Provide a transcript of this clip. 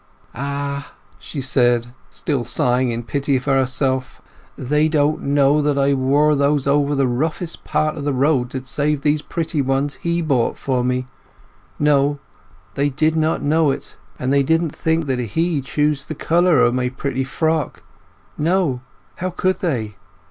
"Ah!" she said, still sighing in pity of herself, "they didn't know that I wore those over the roughest part of the road to save these pretty ones he bought for me—no—they did not know it! And they didn't think that he chose the colour o' my pretty frock—no—how could they?